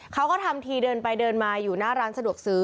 เขาก็ทำทีเดินไปเดินมาอยู่หน้าร้านสะดวกซื้อ